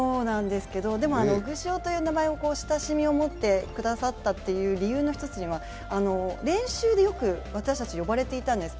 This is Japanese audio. でも、オグシオという名前に親しみを持ってくださったという理由の一つには練習でよく私たち呼ばれていたんです。